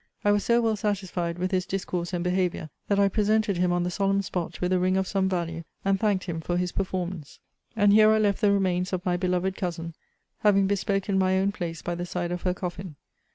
I was so well satisfied with his discourse and behaviour, that I presented him on the solemn spot with a ring of some value; and thanked him for his performance. And here I left the remains of my beloved cousin; having bespoken my own place by the side of her coffin.